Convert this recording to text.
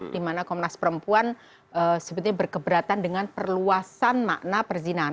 dimana komnas perempuan sebetulnya berkeberatan dengan perluasan makna perzinahan